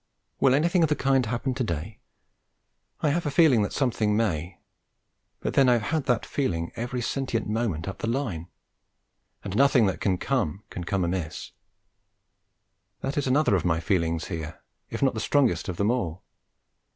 Will anything of the kind happen to day? I have a feeling that something may; but then I have had that feeling every sentient moment up the Line. And nothing that can come can come amiss; that is another of my feelings here, if not the strongest of them all.